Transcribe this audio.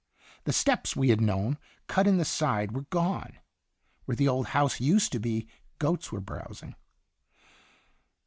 The steps we had known, cut in the side, were gone. Where the old house used to be, goats were browsing.